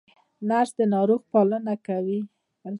نرس د ناروغ پالنه کوي